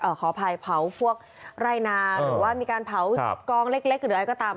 ขออภัยเผาพวกไร่นาหรือว่ามีการเผากองเล็กเล็กหรืออะไรก็ตาม